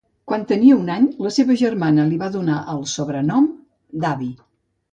Quan tenia un any, la seva germana li va donar el sobrenom d'Avi.